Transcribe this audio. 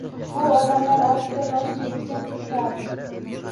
U odamlar ortida boshini eggancha turardi.